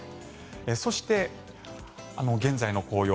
そして、現在の紅葉。